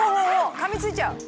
かみついちゃう！